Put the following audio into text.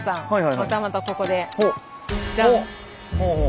またまたここでじゃん！